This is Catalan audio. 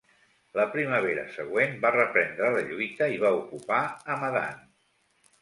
La primavera següent va reprendre la lluita i va ocupar Hamadan.